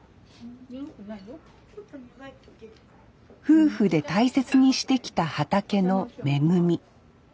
夫婦で大切にしてきた畑の恵み。